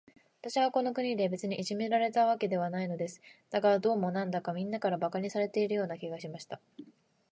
私はこの国で、別にいじめられたわけではないのです。だが、どうも、なんだか、みんなから馬鹿にされているような気がしました。